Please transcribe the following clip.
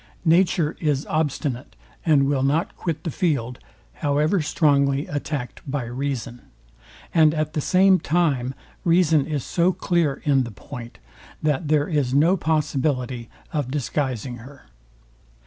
Nature is obstinate, and will not quit the field, however strongly attacked by reason; and at the same time reason is so clear in the point, that there is no possibility of disguising her.